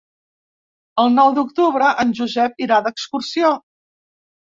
El nou d'octubre en Josep irà d'excursió.